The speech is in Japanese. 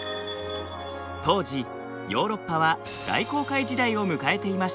当時ヨーロッパは大航海時代を迎えていました。